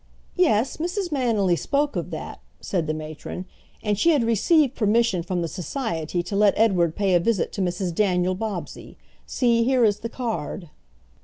"Yes, Mrs. Manily spoke of that," said the matron, "and she had received permission from the Society to let Edward pay a visit to Mrs. Daniel Bobbsey. See, here is the card."